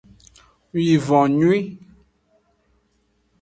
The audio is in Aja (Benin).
Wivonnyui.